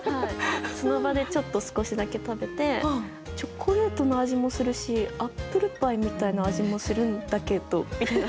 その場でちょっと少しだけ食べて「チョコレートの味もするしアップルパイみたいな味もするんだけど」みたいな。